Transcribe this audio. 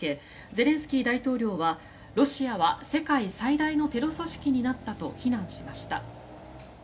ゼレンスキー大統領はロシアは世界最大のテロ組織になったと非難しました。